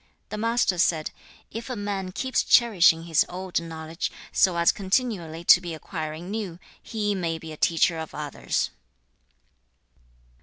The Master said, 'If a man keeps cherishing his old knowledge, so as continually to be acquiring new, he may be a teacher of others.'